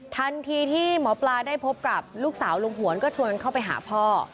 ทันทีที่หมอปลาได้พบกับลูกสาวลุงหวนก็ชวนเข้าไปหาพ่อ